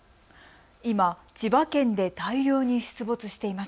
今、千葉県で大量に出没しています。